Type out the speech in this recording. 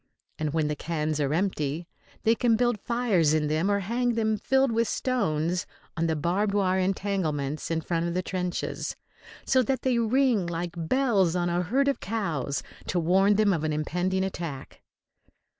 And when the cans are empty they can build fires in them or hang them, filled with stones, on the barbed wire entanglements in front of the trenches, so that they ring like bells on a herd of cows to warn them of an impending attack.